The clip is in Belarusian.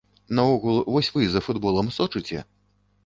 Наогул, вось вы за футболам сочыце?